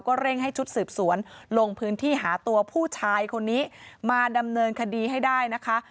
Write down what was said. เร่งให้ชุดสืบสวนลงพื้นที่หาตัวผู้ชายคนนี้มาดำเนินคดีให้ได้นะคะ